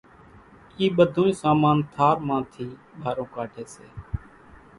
اِي ٻڌونئين سامان ٿار ٿي ٻارون ڪاڍي سي،